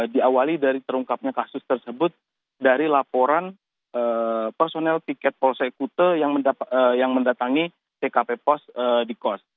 diawali dari terungkapnya kasus tersebut dari laporan personel tiket polsek kute yang mendatangi tkp pos di kos